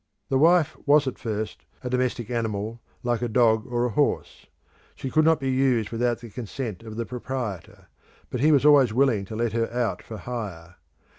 The wife was at first a domestic animal like a dog or a horse. She could not be used without the consent of the proprietor; but he was always willing to let her out for hire.